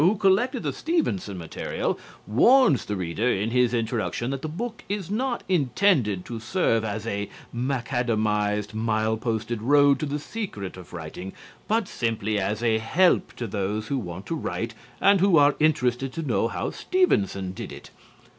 who collected the Stevenson material, warns the reader in his introduction that the book is not intended to serve as "a macadamized, mile posted road to the secret of writing," but simply as a help to those who want to write and who are interested to know how Stevenson did it.